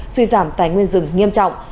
suy giảm tài nguyên rừng nghiêm trọng